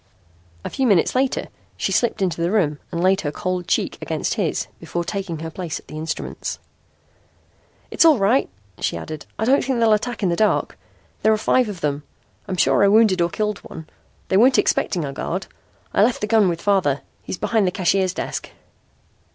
A few minutes later she slipped into the room and laid her cold cheek against his before taking her place at the instruments. "It's all right," she added. "I don't think they'll attack in the dark. There are five of them. I'm sure I wounded or killed one. They weren't expecting a guard. I left the gun with father. He's behind the cashier's desk."